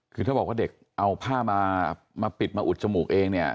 คือถ้าบอกว่าเด็กเอาผ้ามาปิดมาอุดจมูกเองเนี่ย